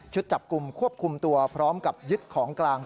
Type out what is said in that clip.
จับกลุ่มควบคุมตัวพร้อมกับยึดของกลาง